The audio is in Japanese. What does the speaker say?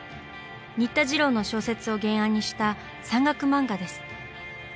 新田次郎の小説を原案にした山岳漫画です。